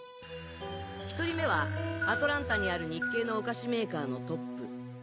１人目はアトランタにある日系のお菓子メーカーのトップ。